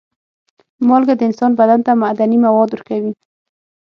مالګه د انسان بدن ته معدني مواد ورکوي.